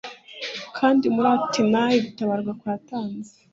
Kandi muri Atenayi gutabarwa kwatanze